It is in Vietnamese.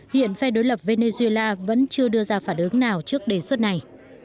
hiện phe đối lập venezuela vẫn chưa đưa ra phản ứng nào trước đề xuất này